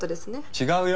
違うよ！